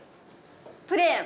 プレーン。